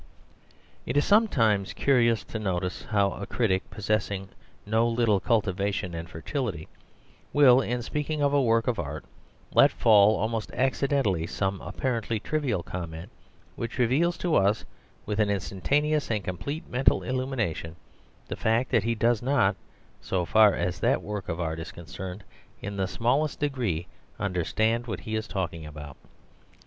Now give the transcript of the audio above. It is sometimes curious to notice how a critic, possessing no little cultivation and fertility, will, in speaking of a work of art, let fall almost accidentally some apparently trivial comment, which reveals to us with an instantaneous and complete mental illumination the fact that he does not, so far as that work of art is concerned, in the smallest degree understand what he is talking about.